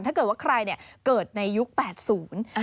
ถ้าเกิดว่าใครเนี่ยเกิดในยุคแปดศูนย์